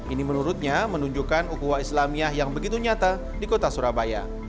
ini menurutnya menunjukkan ukuah islamiyah yang begitu nyata di kota surabaya